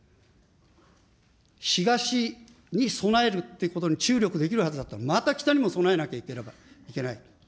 東に備えるってことに注力できるはずだった、また北にも備えなければいけない。